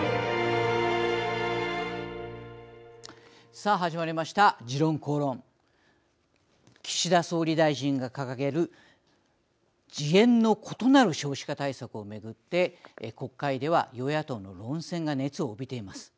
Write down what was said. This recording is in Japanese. さあ始まりました「時論公論」岸田総理大臣が掲げる次元の異なる少子化対策を巡って国会では与野党の論戦が熱を帯びています。